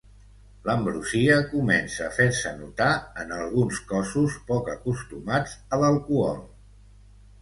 L'ambrosia comença a fer-se notar en alguns cossos poc acostumats a l'alcohol.